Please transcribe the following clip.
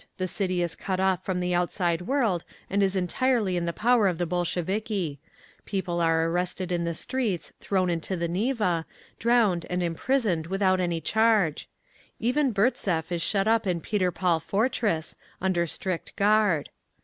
The city is cut off from the outside world and is entirely in the power of the Bolsheviki…. People are arrested in the streets, thrown into the Neva, drowned and imprisoned without any charge. Even Burtzev is shut up in Peter Paul fortress, under strict guard.